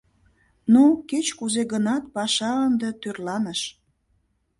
Ну, кеч-кузе гынат, паша ынде тӧрланыш.